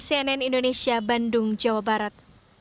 cnn indonesia bandung jawa barat